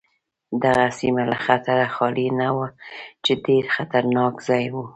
دغه سیمه له خطره خالي نه وه چې ډېر خطرناک ځای و.